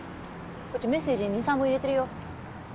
こっちメッセージ２３本入れてるよ。